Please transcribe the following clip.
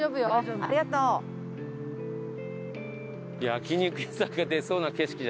焼肉屋さんが出そうな景色じゃないね。